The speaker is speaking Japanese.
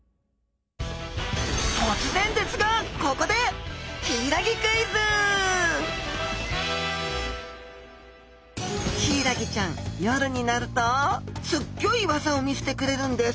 突然ですがここでヒイラギちゃん夜になるとすっギョい技を見せてくれるんです。